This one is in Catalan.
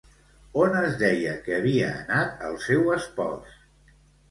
On es deia que havia anat el seu espòs?